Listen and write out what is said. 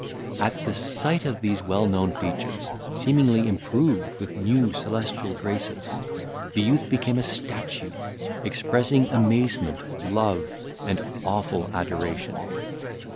At sight of these well known features, seemingly improved with new celestial graces, the youth became a statue, expressing amazement, love, and awful adoration.